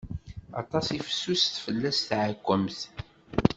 Atas i fessuset fell-as teɛkumt.